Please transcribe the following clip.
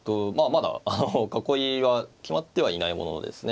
まだ囲いは決まってはいないもののですね